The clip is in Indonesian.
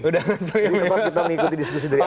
jadi tetap kita mengikuti diskusi dari awal